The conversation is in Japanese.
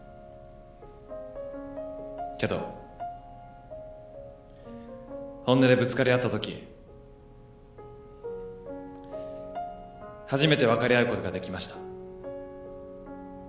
けど本音でぶつかり合ったとき初めて分かり合うことができました。